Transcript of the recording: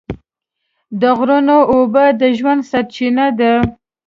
د غرونو اوبه د ژوند سرچینه ده.